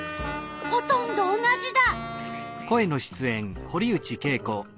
ほとんど同じだ。